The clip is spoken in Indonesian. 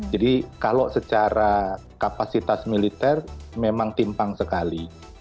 jadi kalau secara kapasitas militer memang timpang sekali